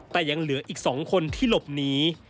แต่ยังเหลืออีก๒คนที่หลบหนี